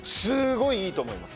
ごいいいと思います。